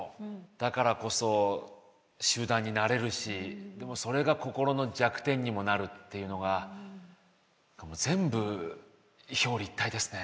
だからこそ集団になれるしでもそれが心の弱点にもなるっていうのが全部表裏一体ですね。